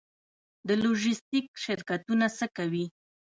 د لوژستیک شرکتونه څه کوي؟